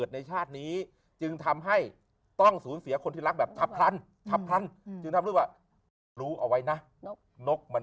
ในชาติครบที่ผ่านมา